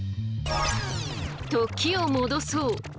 時を戻そう。